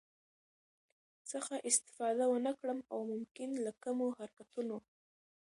څخه استفاده ونکړم او ممکن له کمو حرکتونو